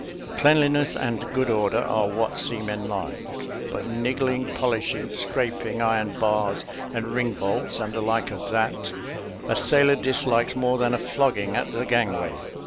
Cleanliness and good order are what seamen like; but niggling, polishing, scraping iron bars, and ring bolts, and the like of that, a sailor dislikes more than a flogging at the gangway.